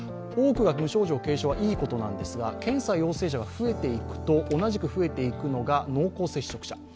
多くが無症状・軽症はいいことなんですが検査陽性者が増えていくと同じく増えていくのが濃厚接触者。